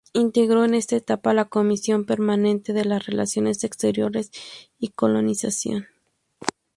Integró en esta etapa la Comisión permanente de Relaciones Exteriores y Colonización.